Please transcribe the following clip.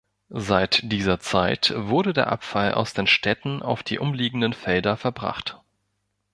Seit dieser Zeit wurde der Abfall aus den Städten auf die umliegenden Felder verbracht.